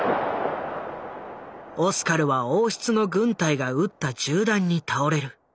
オスカルは王室の軍隊が撃った銃弾に倒れる。